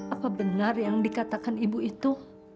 apa benar yang dikatakan ibu itu